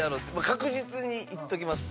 確実にいっときます。